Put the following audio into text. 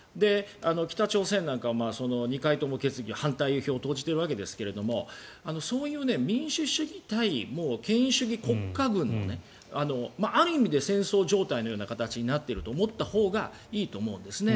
北朝鮮なんかは２回とも決議に反対票を投じているわけですがそういう民主主義対権威主義国家群のある意味で戦争状態のような形になっていると思ったほうがいいと思うんですね。